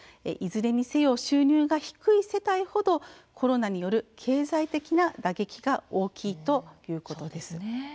いずれにせよ収入が低い世帯ほどコロナによる経済的な打撃が大きいということです。